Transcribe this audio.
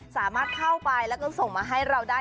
สามารถเข้าไปแล้วก็ส่งมาให้เราได้